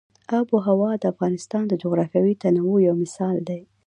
آب وهوا د افغانستان د جغرافیوي تنوع یو مثال دی.